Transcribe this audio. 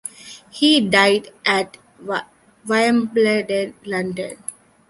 He died at Wimbledon, London.